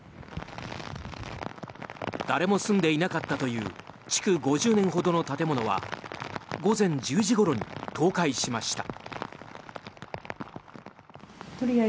誰も住んでいなかったという築５０年ほどの建物は午前１０時ごろに倒壊しました。